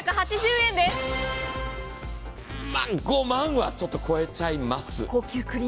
５万円はちょっと超えちゃいます。